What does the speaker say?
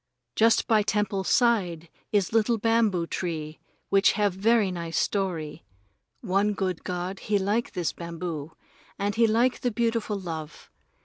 Just by temple's side is little bamboo tree which have very nice story. One good god he like this bamboo, and he like the beautiful love.